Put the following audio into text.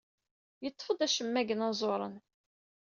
Yeṭṭef-d acemma deg inaẓuren.